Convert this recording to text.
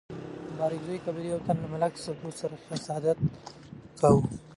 د بارکزيو قبيلي يو تن له ملک سدو سره حسادت کاوه.